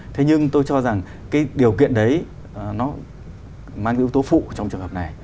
thế nhưng tôi cho rằng cái điều kiện đấy nó mang ưu tố phụ trong trường hợp này